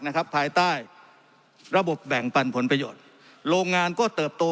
ภายใต้ระบบแบ่งปันผลประโยชน์โรงงานก็เติบโต